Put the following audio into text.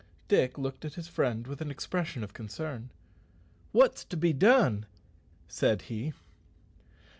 Dick looked at his friend with an expression of concern. "What's to be done?" said he.